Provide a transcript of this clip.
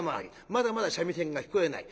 まだまだ三味線が聞こえない。